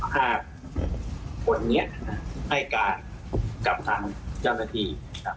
ถ้าผลเงียดให้การกลับทางเจ้าหน้าที